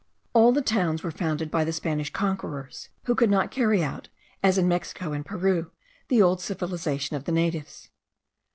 All the towns were founded by the Spanish conquerors, who could not carry out, as in Mexico and Peru, the old civilization of the natives.